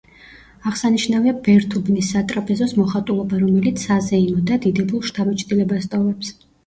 აღსანიშნავია ბერთუბნის სატრაპეზოს მოხატულობა, რომელიც საზეიმო და დიდებულ შთაბეჭდილებას ტოვებს.